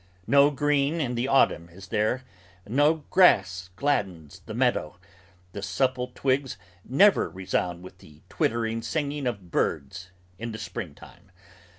No green in the aututun is there, no grass gladdens the meadow, The supple twigs never resound with the twittering singing Of birds in the Springtime.